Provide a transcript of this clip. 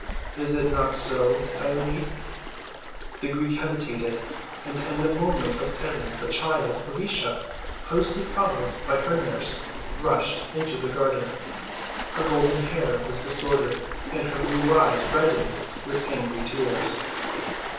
Is it not so, Diomed?" The Greek hesitated, and in the moment of silence the child, Felicia, closely followed by her nurse, rushed into the garden. Her golden hair was disordered, and her blue eyes reddened with angry tears.